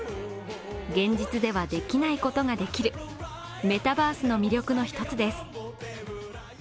現実ではできないことができるメタバースの魅力の一つです。